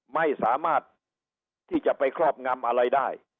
ไม่สามารถที่จะไปครอบงำอะไรได้